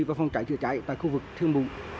và phòng chạy chữa chạy tại khu vực thiên bù